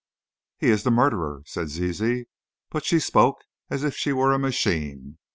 "He is the murderer," said Zizi, but she spoke as if she were a machine.